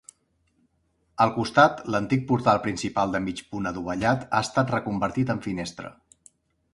Al costat, l'antic portal principal de mig punt adovellat ha estat reconvertit en finestra.